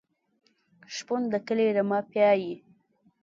شپون د کلي رمه پیایي.